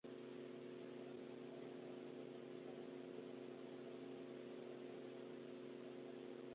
A ello se añaden relevantes valores ecológicos, geológicos y arqueológicos.